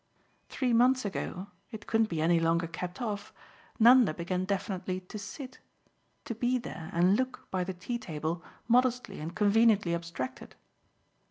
Three months ago it couldn't be any longer kept off Nanda began definitely to 'sit'; to be there and look, by the tea table, modestly and conveniently abstracted."